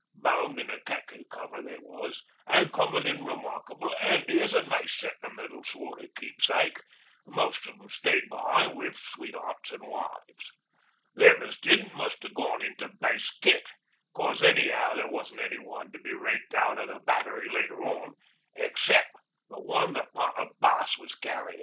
Bound in a khaki cover they was, an', comin' in remarkable 'andy as a nice sentimental sort o' keepsake, most of 'em stayed be'ind wi' sweet'earts an' wives. Them as didn't must 'ave gone into "Base kit," cos any'ow there wasn't one to be raked out o' the Battery later on excep' the one that Pint o' Bass was carryin'.